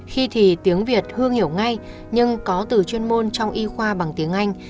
khi thì tiếng việt hương hiểu ngay nhưng có từ chuyên môn trong y khoa bằng tiếng anh